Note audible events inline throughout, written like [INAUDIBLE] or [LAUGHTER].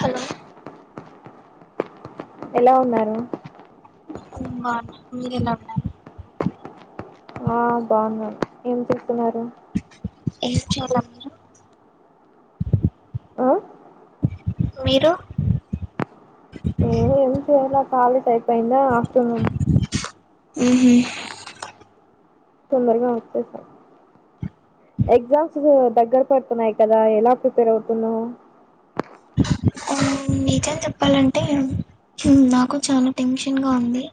Hello ఎలా ఉన్నారు నేన్ బాగున్నా మీర్ ఎలా ఉన్నారు అ బాఉన్నాం ఏం చెస్తున్నారు ఏం చేయాలా మీరు అ మీరు ఎం చేయాలె కాలేజ్ అయిపోయింద ఆఫటర్నూన్ ఉహుమ్ తొందరగా వచ్చేసా ఎగ్ జామ్స్ దగ్గర పడ్ తున్నాయి కదా ఎలా ప్రిపేర్ అవుతున్నవ్ నిజం చెప్పాలంటే ఉమ్ నాకు చాలా టెన్షన్ గా ఉంది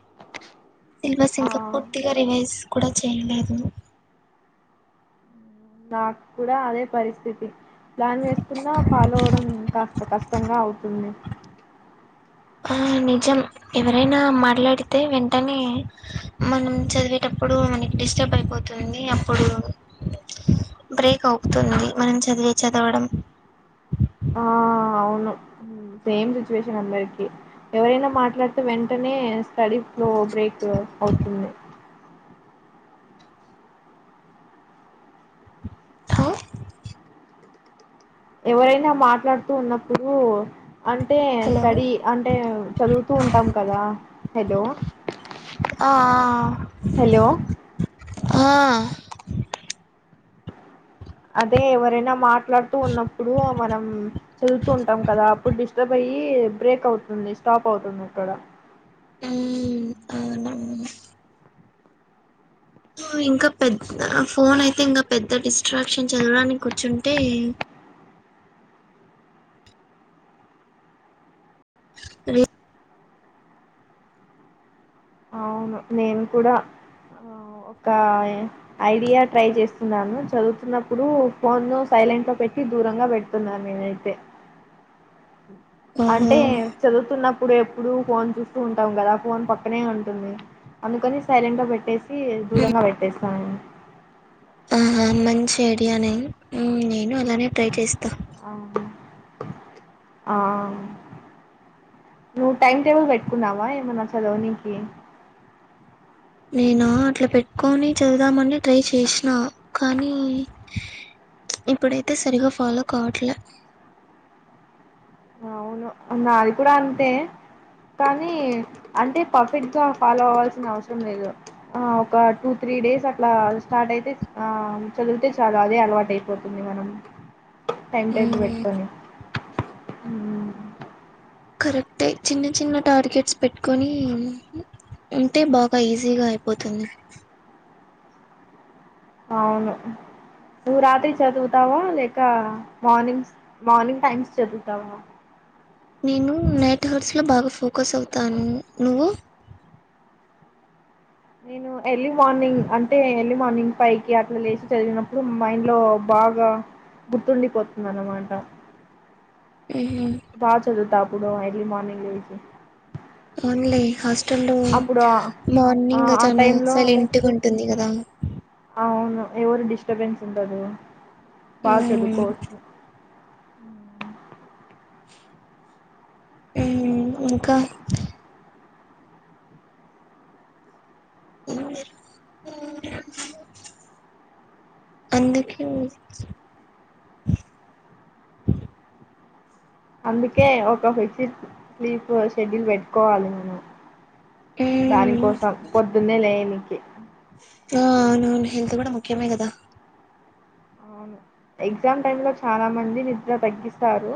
సిలబస్ ఆ ఇంకా పూర్తిగా రివైజ్ కూడా చేయలేదు. నా కూడా అదే పరిస్థితి ప్లాన్ వేస్ కున్నా ఫాలోడం ఇంకా టుకస్ కష్టంగా ఔతుంది ఆ నిజం ఎవరైనా మాట్లాడితే వెంటనే మనం చదివే టప్ ప్పుడు మనకి డిస్టర్బ్ అయిపోతుంది. అప్పుడు బ్రేక్ అవుతుంది. మనం చది వె చదవడం అ సేమ్ సిచ్యువేషన్ అందరికి ఎవరైనా మాట్లాడితే వెంటనే స్టడీస్ లో బ్రేక్ అవుతుంది. హ ఎవరైనా మాట్లాడ్తూ ఉన్నప్పుడు అంటే హలో స్టడీ అంటే చదువుతూ ఉంటాం కదా హలో అ హలో. ఆహ్. అదే ఎవరైన మాట్లాడుతూ ఉన్నప్పుడు మనం చదువుతూ ఉంటం కదా అప్పుడు డిస్టర్బ్ అయ్. అయ్యి బ్రేక్ అవుతుంది స్టాప్ అవుతుంది అక్కడ. ఉమ్ అవును. ఇంక పెద్ద్ ఆహ్ ఫోన్ అయితే ఇంగ పెద్ద డిస్ట్రాక్షన్ చదవడానికి వచ్చుంటే. రి. అవును నేను కూడా. ఆహ్ ఒక ఐడియా ట్రై చేస్తున్నాను చదువుతున్నప్పుడు ఫోను సైలెంట్. ట్లొ పెట్టి దూరంగా పెడుతున్నాను నేనైతే. ఓహో అంటే చదువుతున్నప్పుడు ఎప్పుడు ఫోన్ చూస్తూ ఉంటాం గదా ఫోన్ పక్కనే ఉం. టుంది అందుకని సైలెంట్ గ పెట్టేసి దూరంగా పెట్టేస్తాను నేను. ఆహా, మంచి ఐడియానే. ఉమ్, నేను అలానే ట్రై చేస్తా. ఆహ్. నువ్వు టైం టేబుల్ పెట్టుకున్నావా ఏమన్న చదవనికీ. నేను అట్లా పెట్టుకొని చదువుదామని ట్రై చేశినా కానీ. ఇప్పుడైతే సరిగా ఫాలో కావట్లే. అవును నాది కూడ అంతే. కానీ అంటే పర్ఫెక్ట్ గా ఫాలో అవ్వల్సిన అవసరం లేదు. ఆహ్ ఒక టు త్రీ డేస్ అట్లా స్టార్ట్ అయితే ఆహ్ చదివితే చాలా అదే అలవాట్ అయిపోతుంది. మనం టైం టేబుల్ ఉమ్, పెట్టుకోని. ఉమ్. కరెక్టే చిన్న చిన్న టార్గెట్స్ పెట్టుకొనీ. ఉంటె బాగా ఈజీగా అయిపోతుంది. ఆవును. నువ్వు రాత్రి చదువుతావా లేకా మార్నింగ్స్ మార్నింగ్ టైమ్స్ చదువుతావా. నేనూ నైట్ హౌర్స్ లో బాగా ఫోకస్ అవుతాను నువ్వు. నేను ఎర్లీ మార్నింగ్ అంటే ఎర్లీ మార్నింగ్ ఫైవ్ కి అట్ల లేచి చదివినప్పుడు మైండ్ లో బాగ్. బాగా గుర్తుండిపోతుంది అనమాట. ఉహు, బాగా చదువుతా అప్పుడు ఎర్లీ మార్నింగ్ లేచి. అవున్లే హాస్టల్ లో అప్పుడు మార్నింగ్ ఆ చనా టైంలో సైలెంట్ట్ గుంటుంది గదా. అవును ఎవరు డిస్టబెన్స్ ఉండదు బాగా మ్మ్ చదువుకోవొచ్చు. ఉమ్ మ్. ఉమ్ ఇంకా. అందుకే. అందుకే ఒక ఫిక్స్డ్ స్లీప్ షెడ్యూల్ పెట్టుకోవాలి నేను. దాని మ్మ్ కోసం పొద్దున్నేలేనింకి. ఆ అవునవును హెల్త్ గూడ ముఖ్యమే గదా అవును ఎగ్జామ్ టైం లో చానా మంది నిద్ర తగ్గిస్తారు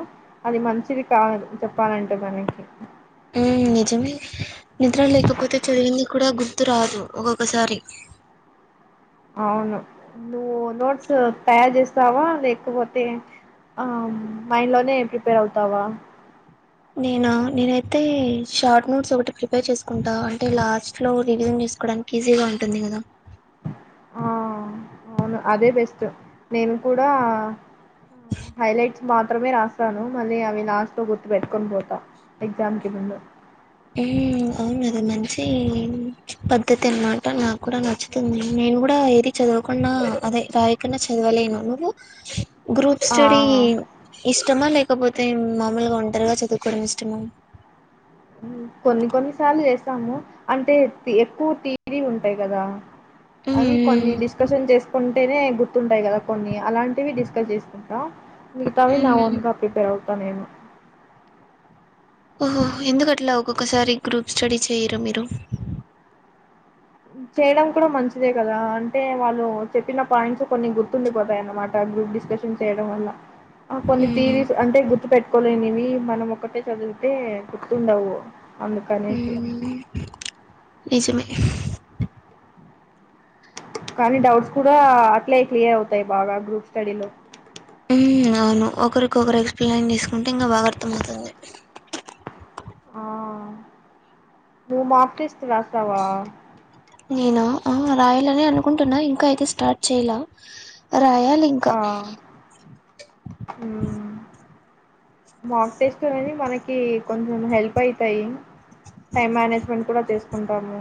అది మంచిది కాదు చెప్పాలన్ ఎంతగానేకి మ్మ్ నిజమే నిద్ర లేకపోతే చదివింది కూడ గుర్తు రాదు ఒక్కొక్కసారి. అవును నువ్వు నోట్స్ తయారు చేస్తావా లేకపోతే. ఆహ్ మైండ్ లోనే ప్రిపేర్ అవుతావా. నేనా నేనైతే షార్ట్ నోట్స్ ఒకటి ప్రిపేర్ చేసుకుంటా అంటే లాస్ట్ లో రివిజన్ చె సుకోడానికి ఈజీగా ఉంటుంది గదా ఆహ్ అవును అదే బెస్ట్ నేను కూడా హైలైట్స్ మాత్రమే రాస్తాను మళ్ళీ అవి లాస్ట్ లో గుర్తు పెట్టుకొని పోతా ఎగ్జామ్ కి ముందు ఎహ్ అవును అది మంచి పద్ధతి అనమాట నాకు కూడా నచ్చుతుంది నేను కూడా ఏది చదవకుంన్నా అదే రాయకుండా చదవలేను నువ్వు గ్రూప్ ఆ! స్టడీ ఇష్టమా లేక్ కాకపోతే మామూలుగా ఒంటారుగా చదువుకోవడం ఇష్టము కొన్ని కొన్ని సార్లు జెస్తాము అంటే ఎక్కువ డ్రీటలు ఉంటాయి కదా అవి ఉమ్ కొన్ని డిస్కషన్ చేసుకుంట అంటేనే గుర్తుంటాయి కదా కొన్ని అలాంటివి డిస్కస్ జెసుకుంటాం మిగతావి నా ఉమ్ ఓన్ గా ప్రిపేర్ అవు బాలేదు ఓహో ఎందుకట్లా ఒక్కొక్కసారి గ్రూప్ స్టడీ చేయరు మీరు చేయడం కూడా మంచిదే కదా అంటే వాళ్ళు చెప్పిన పాయింట్స్ కొన్ని గుర్తుండిపోతాయిన్నమాట గ్రూప్ డిస్కషన్ చేయడం వల్ల ఆ కొన్ని ఉమ్ థియరీస్ అంటే గుర్తు పెట్టుకోలేనివి మనం ఒక్కటే చదివితే గుర్తుండవు అందు కనేసి ఉమ్ నిజమే కానీ డౌట్స్ కూడా అట్లే క్లియర్ అవుతాయి బాగా గ్రూప్ స్టడీలో ఉమ్ అవును ఒకరికొకరు ఎక్స్ప్లెయిన్ చేసుకుంటే ఇంకా బాగా అర్థంమవుతుంది ఆహ్ నువ్వు మాక్ టెస్టు రాస్తావా నేనా ఆ రాయాలని అనుకుంటున్నా ఇంకా అయితే స్టార్ట్ చేయాల రాయాలింకా ఆ మొకటెస్ట్ అనేవి మనకి కొంచెం హెల్ప్ అయితాయి టైం మేనేజ్మెంట్ కూడా జేసుకుంటాము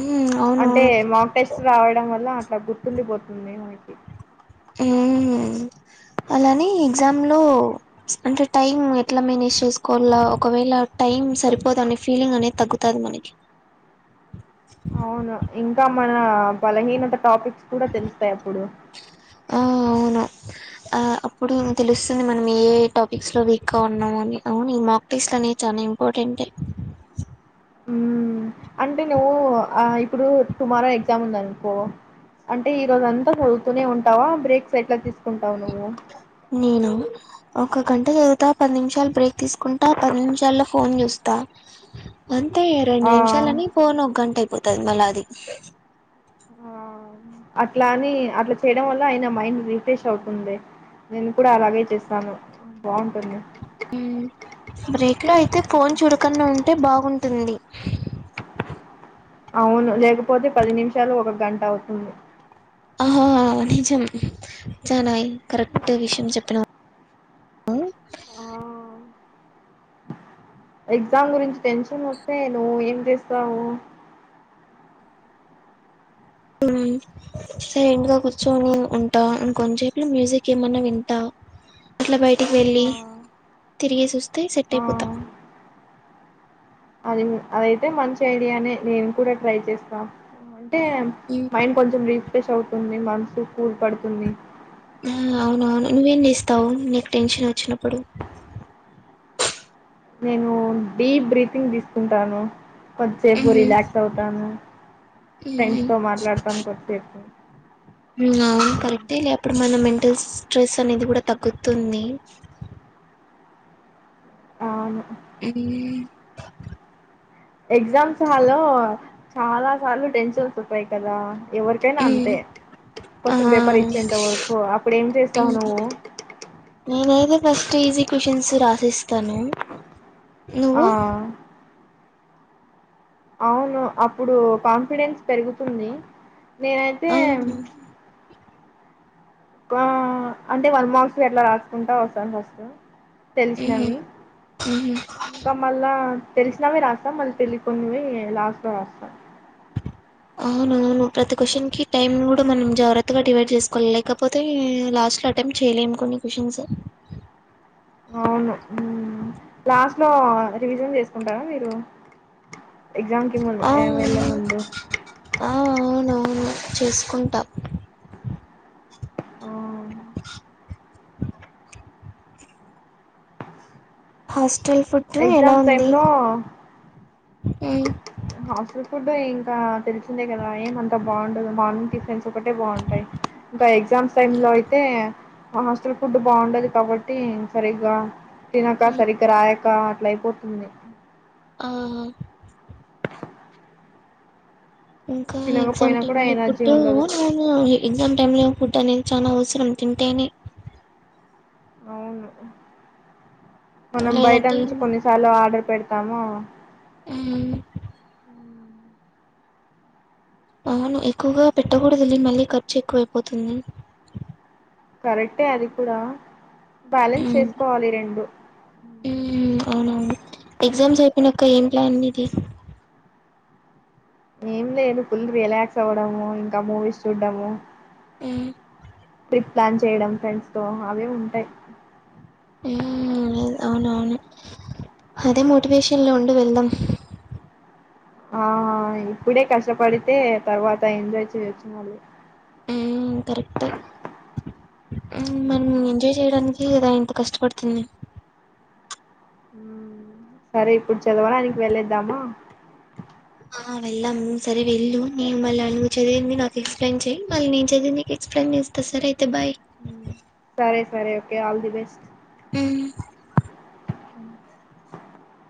ఉమ్ అంటే అవునవును మాక్ టెస్ట్ రాయడం వల్ల అట్లా గుర్తుండిపోతుంది మనకి ఉమ్ అలానే ఎగ్జామ్ లో అంటే టైమ్ ఎట్లా మేనేజ్ చేసుకోవాల ఒకవేళ టై టైం సరిపోదనే ఫీలింగ్ అనేది తగ్గుతంది మనకి అవును ఇంకా మన బలహీనత టాపిక్స్ కూడా తెలుస్తాయి అప్పుడు ఆహ్ అప్పుడు తెలుస్తుంది మనం ఏ ఏ టాపిక్స్ లో వీక్ గా ఉన్నాము అని అవును ఈ మాక్ టెస్ట్ అనేది చా ఇంపార్టెంట్ ఎ ఉమ్ అంటే నువ్వు ఆహ్ ఇప్పుడు టుమారో ఎగ్జామ్ ఉందనుకో అంటే ఈ రోజు అంతా చదువుతూనే ఉంటావా బ్రేక్స్ ఎట్లా తీసుకు కుంటావు నువ్వు నేను ఒక గంట జదువుతా పది నిమిషాలు బ్రేక్ తీసుకుంటా పది నిమిషాల్లో ఫోన్ జుస్తా అంతే రెండు ఆ నిమిషాలని ఫోన్ ఒక గంట అయిపోతది మళ్ళ అది ఆహ్ అట్లా అని అట్లా చేయడం వల్ల అయిన మైండ్ రిఫ్రెష్ అవుతుంది నేను కూడా అలాగే చేస్తాను బావుంటుంది ఉమ్ బ్రేక్ లో అయితే ఫోన్ చూడకన్నా ఉంటే బావుటుంది అవును లేకపోతే పది నిమిషాలు ఒక గంట అవుతుంది ఆహ నిజం చానా కరెక్ట్ విషయం చెప్పినవ్ ఆ ఎగ్జామ్ గురించి టెన్షన్ వస్తే నువ్వు ఏం చేస్తావు సైలెంట్ గా కూర్చొని ఉంటా కొంచసేపు లో మ్యూజిక్ ఏమన్నా వింటా అట్లా బయటికి వెళ్ళి ఆ తిరిగేసి వస్తే సెట్ ఆ అయిపోతా అది అదైతె మంచి ఐడియానే నేను కూడా ట్రై చేస్తా ఆ టే మైండ్ కొంచెం రీఫ్రెష్ అవుతుంది మాన్సు కూల్ పడ్తుంది తవ్ నీకు టెన్షనొచ్చినప్పుడు నేను డీప్ బ్రీతింగ్ దీస్కుంటాను కొద్దిసేపు రిలాక్స్ అవుతాను ఫ్రెండ్స్తో మాట్లాడ్తాను కొద్దిసేపు ఉమ్ అవును హ్మ్. కరెక్టేలే అప్పుడు మన మెంటల్ స్ట్రెస్ తనేది కూడ తగ్గుతుంది అవును ఎనీ వే ఎగ్జామ్స్ హాల్లో చాలా సార్లు టెన్షన్స్ వొస్తయి కదా ఎవరికైనా అంతే ఆ క్వషన్ పేపర్ ఇచ్చేంత వర్కూ అప్పుడేం చేస్తావు నువ్వు నేనైతే ఫస్ట్ ఈజీ క్వషన్స్ రాసేస్తను ఆ నువ్వు? అవును అప్పుడు కాన్ఫిడెన్స్ పెరుగుతుంది నేనైతే ఆ అంటె వన్ మర్క్స్ వి అట్ల రాస్కుంట వస్తాను ఫస్ట్ తెల్సినవి ఇంక మళ్ళా తెల్సినవి రాస్తం మల్ తెలీకున్నవీ లాస్ట్ లో రాస్త అవునవును ప్రతి క్వషన్కి టైం కూడా మనం జాగ్రత్తగా డివైడ్ చేస్కోవాలి లేకపోతే లాస్ట్ అటెంప్ట్ చేయ్యలేము కొన్ని క్వషన్స్ అవును ఉమ్మ్ లాస్ట్ లో రివిజన్ జేస్కుంటరా మీరు ఎగ్జామ్ కి ము ఆ ఎ వెళ్లే ముందు ఉమ్ చేస్కుంట ఆ. హాస్టల్ ఫుడ్డు ఎలా ఎగ్జామ్స్ ఉంది టైంలో ఉమ్ హాస్టల్ ఫుడ్ ఇంకా తెల్సిందే కదా ఏమంత బాగుండదు మార్నింగ్ టి ఫ్రెంసొకటె బాగుంటై ఇంకా ఎగ్జామ్స్ టైమ్ లో అయితే హాస్టల్ ఫుడ్ బాగుండది కాబట్టి సరిగ్గ తినక ఉమ్, సరిగ్గ రాయకా లైట్ పోతుంది. ఆహా ఇంకా ఎగ్జామ్ తినకపోయినా టైమ్ కూడా లో ఎనర్జీ ఫుడ్డు ఉండదు ఎగ్జామ్ టైమ్ లో [INAUDIBLE] ఫుడ్ అనేది చాలా అవ్స్రం తింటెనె అవును మనం బైట లేదంటే నుంచి కొన్నిసార్లు ఆర్డర్ పెడ్ తమో ఉమ్ అవును ఎక్కువగా పెట్టకూడదు ఇది మళ్ళీ ఖర్చెక్కువైపోతుంది కరెక్టే అది కూడా బ్యాలెన్స్ ఉమ్, చేస్కోవాలి రెండు ఉమ్ ఉమ్, అవునవును ఎగ్జామ్స్ అయిపోనంక ఏం జాయినైదిది ఏం లేదు ఫుల్ రిలాక్స్ అవ్వడము ఇంక మూవీస్ చూడ్డము ఉమ్ ట్రిప్ ప్లాన్ చేయడం ఫ్రెండ్స్ తో అవె ఉంటై ఉమ్ అది అవునవును అదె మోటివేషన్లో ఉండు వెళ్దాం ఆ ఆ అవును ఇప్పుడె కష్టపడితె తర్వాత ఎంజాయ్ చేయోచ్చు మళ్ళీ మ్మ్ కరెక్టే చేయడాన్కీ గద ఇంత కష్టపడ్తుంది. సరె ఇప్పుడు చదవడాన్కి వెళ్ళేద్దామా? ఆ వెళ్ళాం సరే వెళ్ళు నేను మళ్ళొచ్చేదేంది నాకు ఎక్సప్లేన్ మళ్ళీ నేను చదివి నీకు ఎక్సప్లేన్ జెస్త సరే అయితే బాయ్ కె ఆల్ ది బెస్ట్ ఉమ్